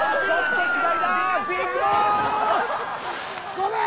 ごめん！